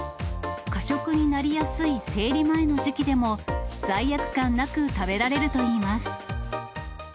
過食になりやすい生理前の時期でも、罪悪感なく食べられるといいます。